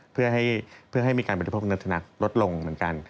เพื่อให้มีการบริโภคนัทลดลงเหมือนกัน